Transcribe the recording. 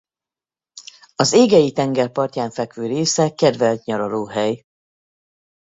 A Égei-tenger partján fekvő része kedvelt nyaralóhely.